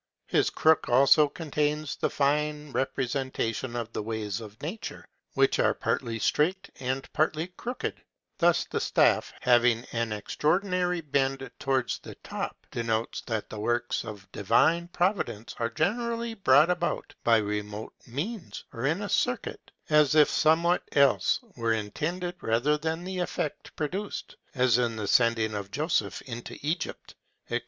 His crook, also, contains a fine representation of the ways of nature, which are partly straight and partly crooked; thus the staff, having an extraordinary bend towards the top, denotes that the works of Divine Providence are generally brought about by remote means, or in a circuit, as if somewhat else were intended rather than the effect produced, as in the sending of Joseph into Egypt, &c.